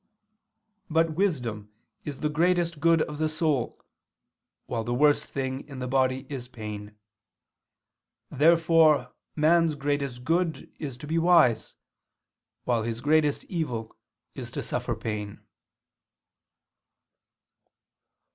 But wisdom is the greatest good of the soul; while the worst thing in the body is pain. Therefore man's greatest good is to be wise: while his greatest evil is to suffer pain."